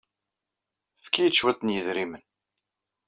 Ffek-iyi-d cwiṭ n yedrimen.